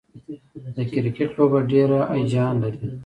د کرکټ لوبه ډېره هیجان لري.